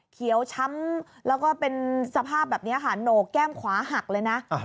เขียวช้ำแล้วก็เป็นสภาพแบบนี้ค่ะโหนกแก้มขวาหักเลยนะ